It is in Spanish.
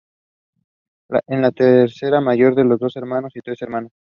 Es la tercera mayor de dos hermanos y tres hermanas.